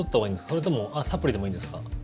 それともサプリでもいいんですか？